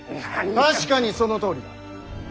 確かにそのとおりだ。